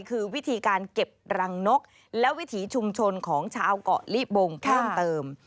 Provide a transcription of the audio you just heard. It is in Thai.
คือวิธีการเก็บรังนกและวิถีชุมชนของชาวเกาะลิบงเพิ่มเติม